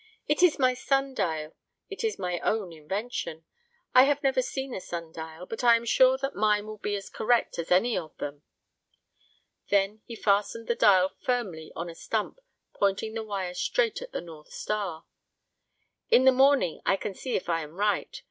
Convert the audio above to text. "It is my sun dial; it is my own invention. I have never seen a sun dial, but I am sure that mine will be as correct as any of them." Then he fastened the dial firmly on a stump, pointing the wire straight at the North Star. "In the morning I can see if I am right.